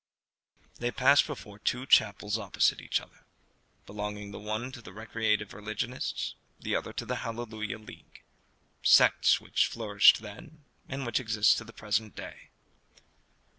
They passed before two chapels opposite to each other, belonging the one to the Recreative Religionists, the other to the Hallelujah League sects which flourished then, and which exist to the present day.